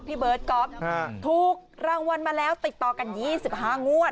พี่เบิร์ดก๊อฟค่ะทุกรางวัลมาแล้วติดต่อกันยี่สิบห้างวัด